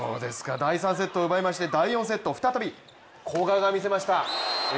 第３セットを奪いまして第４セット再び、古賀がみせました。